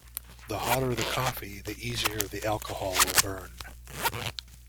The hotter the coffee, the easier the alcohol will burn.